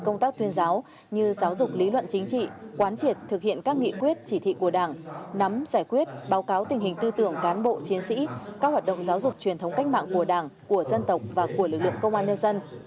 công tác tuyên giáo như giáo dục lý luận chính trị quán triệt thực hiện các nghị quyết chỉ thị của đảng nắm giải quyết báo cáo tình hình tư tưởng cán bộ chiến sĩ các hoạt động giáo dục truyền thống cách mạng của đảng của dân tộc và của lực lượng công an nhân dân